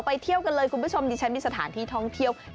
เที่ยวกันเลยคุณผู้ชมดิฉันมีสถานที่ท่องเที่ยว